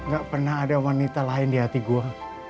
gak pernah ada wanita lain di hati gue